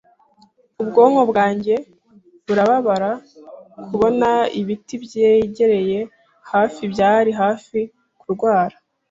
ubwonko bwanjye burababara. Kubona ibiti byegereye hafi byari hafi kundwara